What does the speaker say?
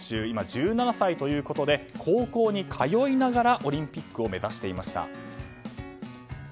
今１７歳ということで高校に通いながらオリンピックを目指していました。